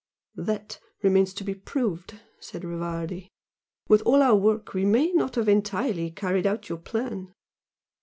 "That remains to be proved" said Rivardi "With all our work we may not have entirely carried out your plan."